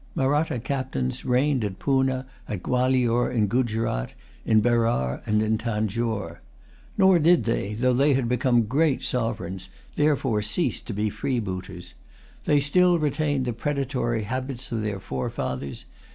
Mahratta captains reigned at Poonah, at Gualior, in Guzerat, in Berar, and in Tanjore. Nor did they, though they had become great sovereigns, therefore cease to be freebooters. They still retained the predatory habits of their forefathers.